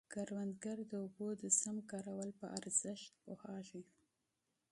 دهقان د اوبو د سم استعمال اهمیت پوهېږي.